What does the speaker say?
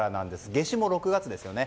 夏至も６月ですよね。